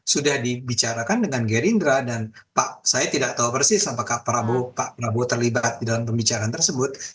sudah dibicarakan dengan gerindra dan pak saya tidak tahu persis apakah pak prabowo terlibat di dalam pembicaraan tersebut